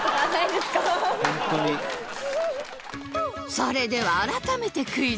それでは改めてクイズ